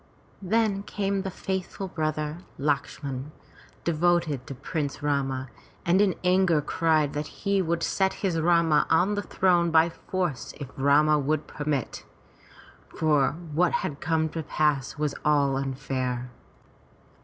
Then came the faithful brother, Lakshman, devoted to Prince Rama, and in anger cried that he would set his Rama on the throne by force if Rama would permit, for what had come to pass 388 FROM THE TOWER WINDOW was all unfair.